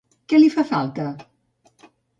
Què li fa falta?